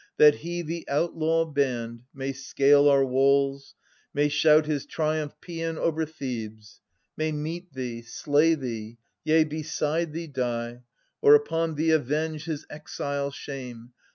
That he, the outlaw banned, may scale our walls, May shout his triumph paean over Thebes, May meet thee, slay thee, yea, beside thee die, Or upon thee avenge his exile shame.